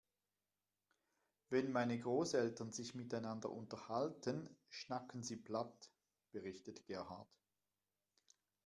Wenn meine Großeltern sich miteinander unterhalten, schnacken sie platt, berichtet Gerhard.